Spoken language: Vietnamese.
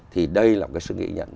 thì đây là một cái sự nghĩa nhận